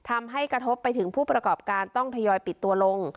ทำให้กระทบไปถึงผู้ประกอบการต้องทยอยปิดตัวลง